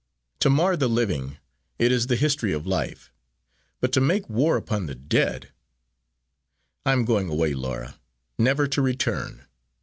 To mar the living it is the history of life but to make war upon the dead! I am going away, Laura, never to return.